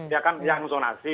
ya kan yang zonasi